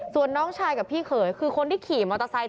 ส่วนน้องชายกับพี่เขยคือคนที่ขี่มอเตอร์ไซค